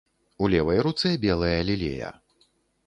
У левай руцэ белая лілея.